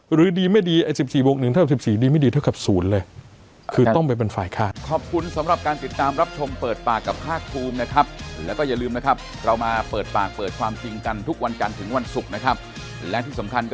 หรือดีไม่ดี๑๔บวก๑เท่ากับ๑๔ดีไม่ดีเท่ากับ๐เลย